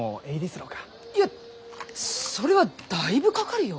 いやそれはだいぶかかるよ。